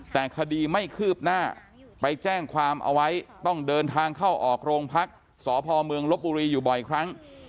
แต่คดีไม่คืบหน้าไปแจ้งความเอาไว้ต้องเดินทางเข้าออกโรงพักสพเมืองลบบุรีอยู่บ่อยครั้ง